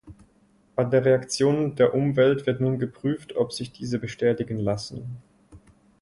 An der Reaktion der Umwelt wird nun geprüft, ob sich diese bestätigen lassen.